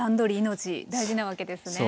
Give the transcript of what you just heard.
命大事なわけですね。